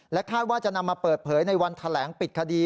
คาดว่าจะนำมาเปิดเผยในวันแถลงปิดคดี